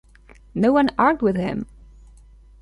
No one argued with him.